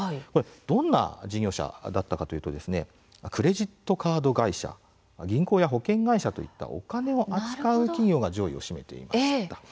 どんな事業者だったかというとクレジットカード会社銀行や保険会社といったお金を扱う企業が上位を占めていました。